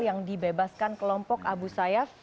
yang dibebaskan kelompok abu sayyaf